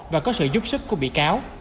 và có sự giúp sức của bị cáo